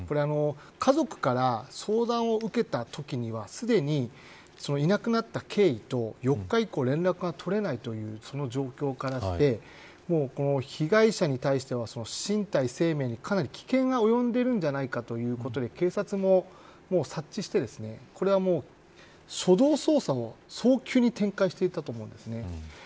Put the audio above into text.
家族から相談を受けたときにはすでに、いなくなった経緯と４日以降連絡が取れないという状況からして被害者に対しては身体、生命にかなり危険が及んでいるんじゃないかということで警察も察知してこれは、初動捜査を早急に展開していたと思います。